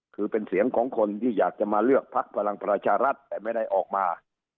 คือเป็นเสียงของคนที่อยากจะมาเลือกพักพลังประชารัฐแต่ไม่ได้ออกมา